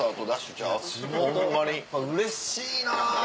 地元うれしいな！